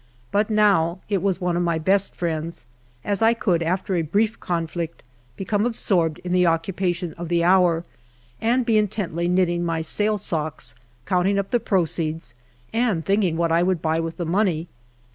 But now it was one of my best friends, as 1 could, after a brief conflict, become absorbed in the occupa tion of the hour, and be intently knitting my sale socks, counting up the proceeds, and thinking what I would buy with the money.